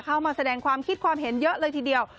เข้ามาแสดงความคิดความเห็นเยอะเลยทีเดียว